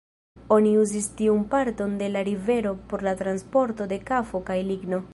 Oni uzis tiun parton de la rivero por la transporto de kafo kaj ligno.